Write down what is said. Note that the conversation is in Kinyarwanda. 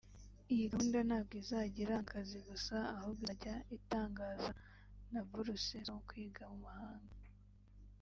Iyi gahunda ntabwo izajya iranga akazi gusa ahubwo izajya itangaza na buruse zo kwiga mu mahanga